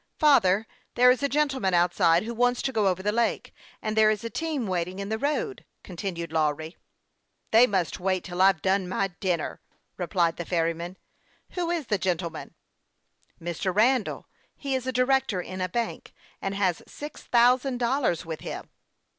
Father, there is a gen tleman outside who wants to go over the lake ; and there is a team waiting in the road," continued Lawry, turning to his father. 3* 30 HASTE AND WASTE, OR " They must wait till I've done my dinner," re 1 plied the ferryman. " Who is the gentleman ?"" Mr. Randall ; he is a director in a bank, and has six thousand dollars with him."